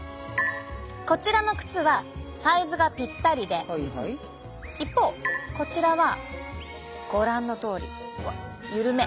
こちらの靴はサイズがぴったりで一方こちらはご覧のとおりゆるめ。